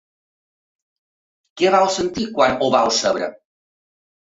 Què vau sentir, quan ho vau saber?